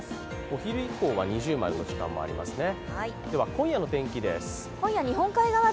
お昼以降は◎の時間もありますね。